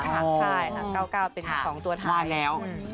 ใช่ค่ะ๙๙เป็น๒ตัวท้ายมาแล้วเพื่อให้ขอบ้างแน่